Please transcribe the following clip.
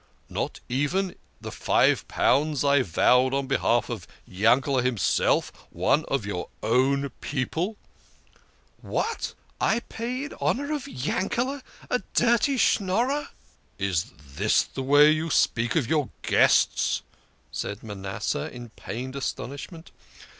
" Not even the five pounds I vowed on behalf of Yankete himself one of your own people ?"" What ! I pay in honour of Yanked a dirty Schnorrer !" "Is this the way you speak of your guests?" said Manasseh, in pained astonishment.